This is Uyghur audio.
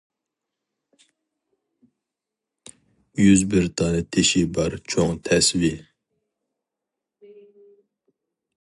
يۈز بىر دانە تېشى بار چوڭ تەسۋى.